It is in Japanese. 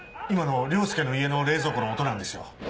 今の凌介の家の冷蔵庫の音なんですよ。